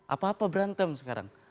apa apa berantem sekarang